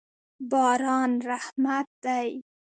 باران رحمت دی.